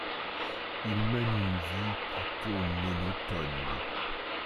Ils mènent une vie plutôt monotone.